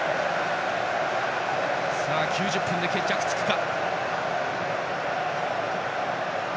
９０分で決着がつくか。